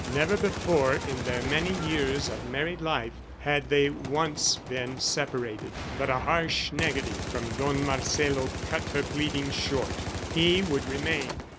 Never before, in their many years of married life, had they once been separated. But a harsh negative from Don Marcelo cut her pleadings short. He would remain.